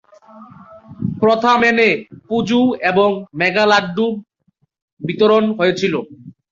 প্রথা মেনে পুজো ও মেঘা লাড্ডু বিতরণ হয়েছিল।